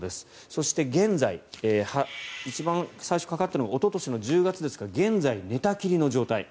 そして現在一番最初かかったのがおととしの１０月ですが現在、寝たきりの状態。